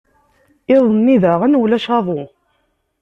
Iḍ-nni daɣen ulac aḍu.